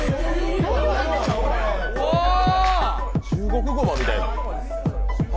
中国ごまみたいな。